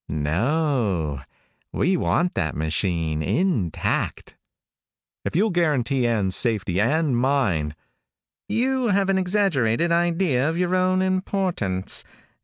"No, we want that machine intact." "If you'll guarantee Ann's safety and mine " "You have an exaggerated idea of your own importance.